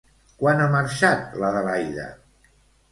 Quan ha marxat l'Adelaida?